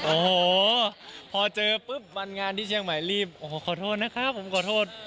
โอ้โหพอเจอปุ๊บวันงานที่เชียงใหม่รีบโอ้โหขอโทษนะครับผมขอโทษ